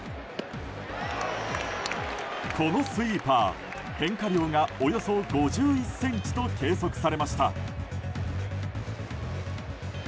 このスイーパー変化量が、およそ５１ｃｍと計測されました。